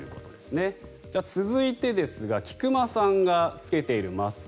では、続いてですが菊間さんが着けているマスク。